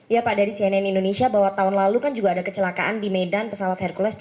ya pak dari cnn indonesia bahwa tahun lalu kan juga ada kecelakaan di medan pesawat hercules c satu ratus tiga puluh